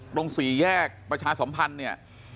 ตรงสี่แยกประชาสมพันธ์เนี่ย